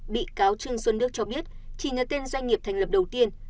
bị cáo trương xuân đức cho biết chỉ nhờ tên doanh nghiệp thành lập đầu tiên